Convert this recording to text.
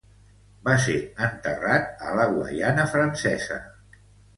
Va ser enterrat a Guaiana Francesa.